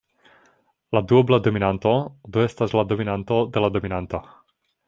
La duobla dominanto do estas la dominanto de la dominanto.